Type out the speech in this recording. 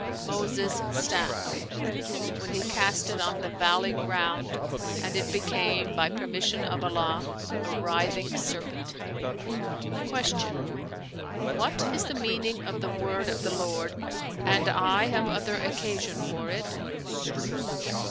"Moses' staff,[FN#440] when he cast it on the valley ground and it became, by permission of Allah, a writhing serpent." Q "What is the meaning of the word of the Lord, 'And I have other occasion for it?'"